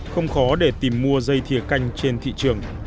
không khó để tìm mua dây thiều canh trên thị trường